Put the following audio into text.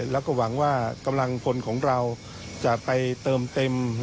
แล้วก็หวังว่ากำลังพลของเราจะไปเติมเต็ม